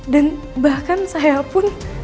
dan bahkan saya pun